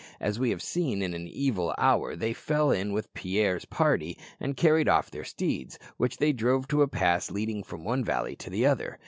As we have seen, in an evil hour they fell in with Pierre's party and carried off their steeds, which they drove to a pass leading from one valley to the other.